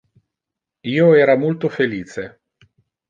Io era multo felice.